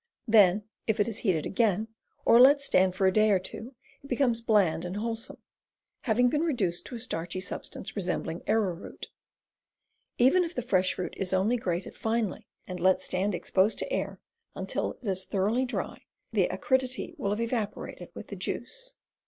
Then if it is heated again, or let stand for a day or two, it becomes bland and wholesome, having been reduced to a starchy substance resembling arrowroot. Even if the fresh root is only grated finely and let stand exposed to air until it is thor oughly dry, the acridity will have evaporated with the juice.